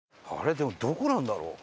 でもどこなんだろう？